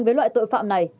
với loại tội phạm này